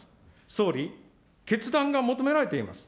総理、決断が求められています。